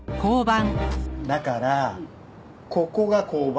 だからここが交番。